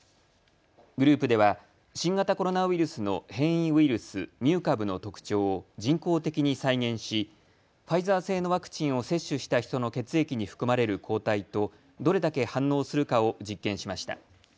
グループでは新型コロナウイルスの変異ウイルス、ミュー株の特徴を人工的に再現しファイザー製のワクチンを接種した人の血液に含まれる抗体とどれだけ反応するかを実験しました。